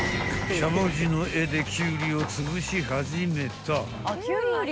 ［しゃもじの柄でキュウリをつぶし始めた］